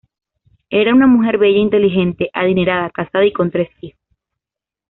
Era una mujer bella, inteligente, adinerada, casada y con tres hijos.